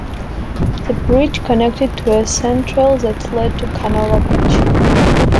The bridge connected to a sand trail that led to Canova Beach.